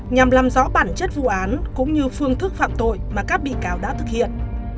nhằm làm rõ bản chất vụ án cũng như phương thức phạm tội mà các bị cáo đã thực hiện